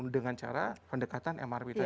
dengan cara pendekatan mrp tadi